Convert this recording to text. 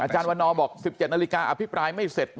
วันนอบอก๑๗นาฬิกาอภิปรายไม่เสร็จ